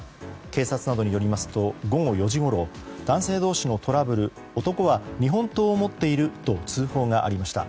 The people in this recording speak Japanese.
警察などによりますと午後４時ごろ男性同士のトラブル男は日本刀を持っていると通報がありました。